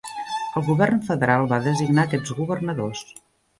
El Govern federal va designar aquests governadors.